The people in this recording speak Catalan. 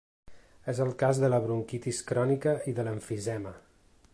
És el cas de la bronquitis crònica i de l’emfisema.